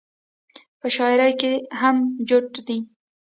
پۀ شاعرۍ کښې هم جوت دے -